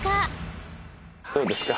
どうですか？